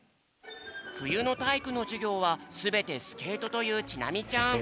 ふゆのたいいくのじゅぎょうはすべてスケートというちなみちゃん。